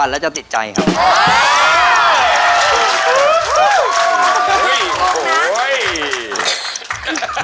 พระเจ้าตากศิลป์